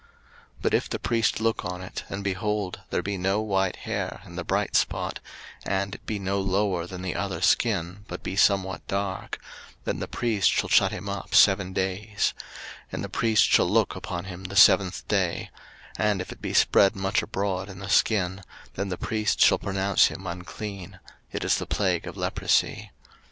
03:013:026 But if the priest look on it, and, behold, there be no white hair in the bright spot, and it be no lower than the other skin, but be somewhat dark; then the priest shall shut him up seven days: 03:013:027 And the priest shall look upon him the seventh day: and if it be spread much abroad in the skin, then the priest shall pronounce him unclean: it is the plague of leprosy.